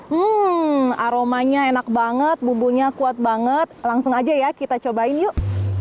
hmm aromanya enak banget bumbunya kuat banget langsung aja ya kita cobain yuk